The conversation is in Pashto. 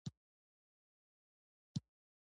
په نړۍ کې هر څه موږ ته د ایمان درس راکوي